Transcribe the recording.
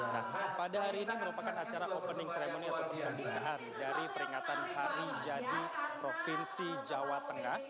nah pada hari ini merupakan acara opening ceremony atau pertandingan dari peringatan hari jadi provinsi jawa tengah